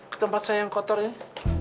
ke tempat saya yang kotor ini